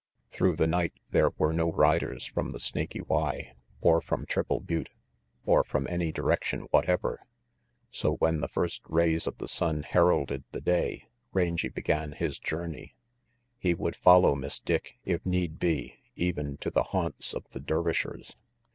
Through the night there were no riders from the Snaky Y, or from Triple Butte, or from any direction whatever; so when the first rays of the sun heralded the day, Rangy began his journey. He would follow Miss Dick, if need be, even to the haunts of the Dervishers.